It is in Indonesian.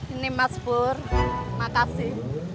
ini mas pur makasih